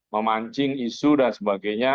memancing isu dan sebagainya